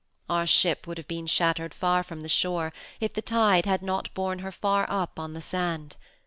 Our ship would have been shattered far from the shore if the tide had not borne her far up on the sand.